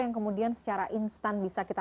yang kemudian secara instan bisa kita